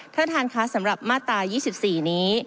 ท่านท่านคะสำหรับมาตรา๒๔นี้